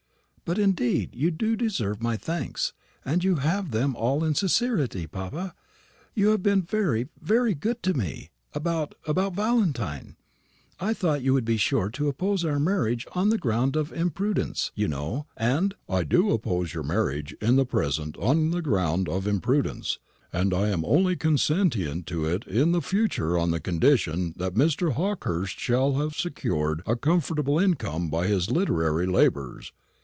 "But, indeed, you do deserve my thanks, and you have them in all sincerity, papa. You have been very, very good to me about about Valentine. I thought you would be sure to oppose our marriage on the ground of imprudence, you know, and " "I do oppose your marriage in the present on the ground of imprudence, and I am only consentient to it in the future on the condition that Mr. Hawkehurst shall have secured a comfortable income by his literary labours.